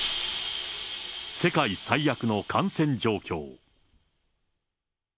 世界最悪の感染状況。